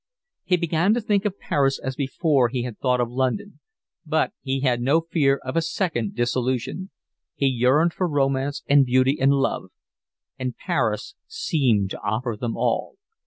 He began to think of Paris as before he had thought of London, but he had no fear of a second disillusion; he yearned for romance and beauty and love, and Paris seemed to offer them all.